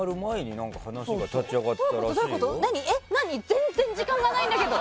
全然時間がないんだけど。